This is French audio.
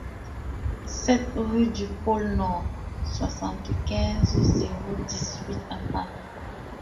sept rUE DU POLE NORD, soixante-quinze, zéro dix-huit à Paris